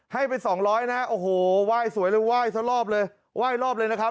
ให้ไปสองร้อยนะฮะโอ้โหไหว้สวยเลยไหว้ซะรอบเลยไหว้รอบเลยนะครับ